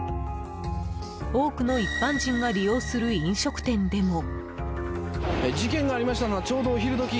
多くの一般人が利用する飲食店でも。